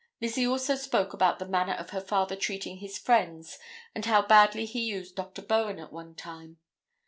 Lizzie also spoke about the manner of her father treating his friends and how badly he used Dr. Bowen at one time.